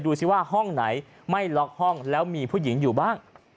ดูสิว่าห้องไหนไม่ล็อกห้องแล้วมีผู้หญิงอยู่บ้าง